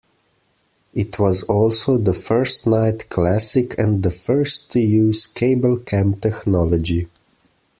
It was also the first night Classic and the first to use "CableCam" technology.